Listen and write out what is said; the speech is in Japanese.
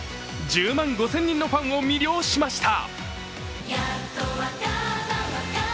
１０万５０００人のファンを魅了しました。